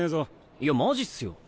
いやマジっすよ。